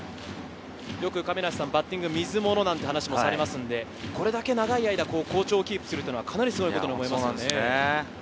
よくバッティング、水ものなんて話もされますんで、これだけ長い間好調をキープするっていうのはすごいですよね。